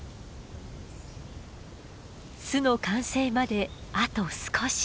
巣の完成まであと少し。